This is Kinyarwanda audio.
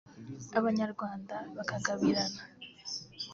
Abanyarwanda bakagabirana